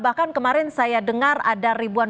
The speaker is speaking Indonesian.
bukti bukti apa saja yang akan disiapkan